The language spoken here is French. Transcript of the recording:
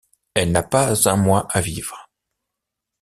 Elle n’a pas un mois à vivre.